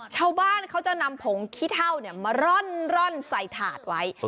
ชาวบ้านเขาจะนำผงขี้เท่ามาร่อนใส่ถาดไว้